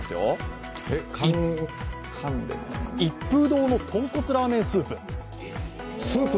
一風堂のとんこつラーメンスープ。